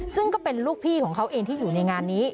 ซึ่งก็เป็นลูกพี่ของเขาเองที่อยู่ในงานนี้